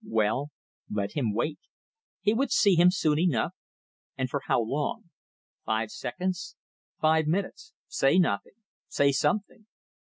Well, let him wait. He would see him soon enough. And for how long? Five seconds five minutes say nothing say something.